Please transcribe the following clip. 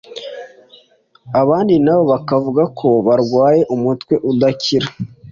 abandi nabo bakavuga ko barwaye umutwe udakira